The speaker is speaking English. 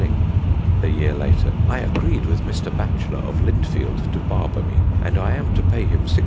_" A year later: "I agreed with Mr. Batchelor of Lindfield to barbour mee, and I am to pay him 16_s.